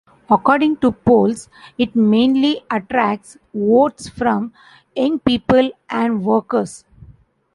According to polls, it mainly attracts votes from young people and workers.